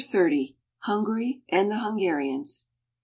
293 XXX. HUNGARY AND THE HUNGARIANS.